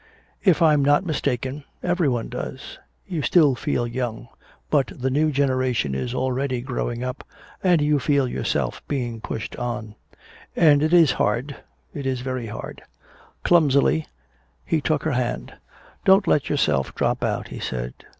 If I'm not mistaken, everyone does. You still feel young but the new generation is already growing up and you can feel yourself being pushed on. And it is hard it is very hard." Clumsily he took her hand. "Don't let yourself drop out," he said.